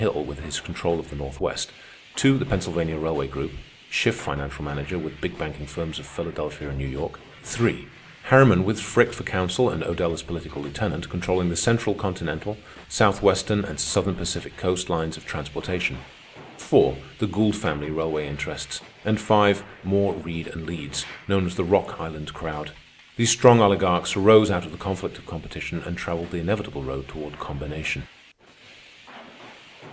Hill with his control of the Northwest; (2) the Pennsylvania railway group, Schiff financial manager, with big banking firms of Philadelphia and New York; (3) Harriman, with Frick for counsel and Odell as political lieutenant, controlling the central continental, Southwestern and Southern Pacific Coast lines of transportation; (4) the Gould family railway interests; and (5) Moore, Reid, and Leeds, known as the "Rock Island crowd." These strong oligarchs arose out of the conflict of competition and travelled the inevitable road toward combination.